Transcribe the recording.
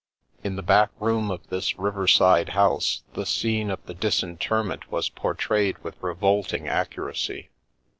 In the back room of this riverside house the scene of the disinterment was portrayed with revolting accuracy.